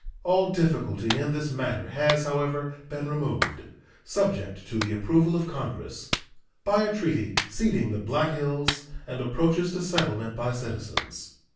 All difficulty in this matter has, however, been removed subject to the approval of Congress by a treaty ceding the Black Hills and approaches to settlement by citizens.